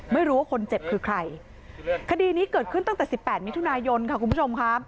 ไม่รู้ว่าคนเจ็บคือใครคดีนี้เกิดขึ้นตั้งแต่สิบแปดมิถุนายนค่ะคุณผู้ชมค่ะ